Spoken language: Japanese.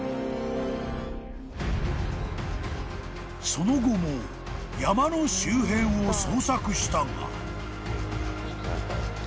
［その後も山の周辺を捜索したが］